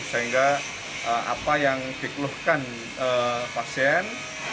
sehingga apa yang dikeluhkan pasien